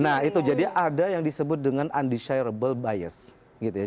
nah itu jadi ada yang disebut dengan undecirable bias gitu ya